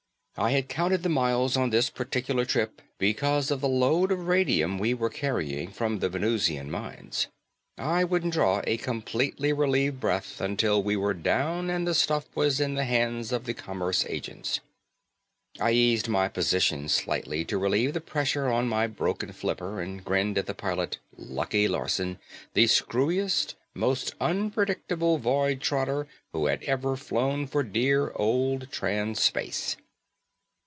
I had counted the miles on this particular trip because of the load of radium we were carrying from the Venusian mines. I wouldn't draw a completely relieved breath until we were down and the stuff was in the hands of the commerce agents. I eased my position slightly to relieve the pressure on my broken flipper and grinned at the pilot, Lucky Larson, the screwiest, most unpredictable void trotter who had ever flown for dear old Trans Space.